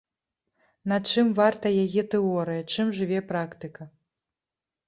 На чым варта яе тэорыя, чым жыве практыка?